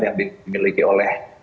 yang dimiliki oleh